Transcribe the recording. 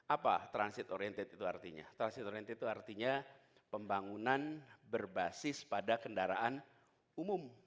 apa transit oriented itu artinya transit oriented itu artinya pembangunan berbasis pada kendaraan umum